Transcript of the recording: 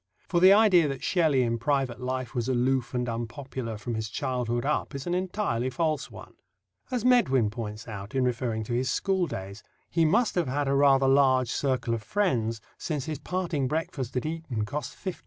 For the idea that Shelley in private life was aloof and unpopular from his childhood up is an entirely false one. As Medwin points out, in referring to his school days, he "must have had a rather large circle of friends, since his parting breakfast at Eton cost £50."